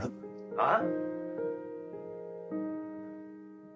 あっ。